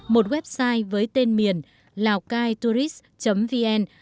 một website với tên miền laocaitourist vn